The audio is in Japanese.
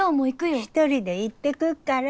一人で行ってくっから。